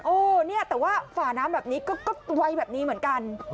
เนี่ยแต่ว่าฝ่าน้ำแบบนี้ก็ไวแบบนี้เหมือนกัน